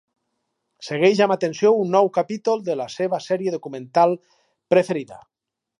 Segueix amb atenció un nou capítol de la seva sèrie documental preferida.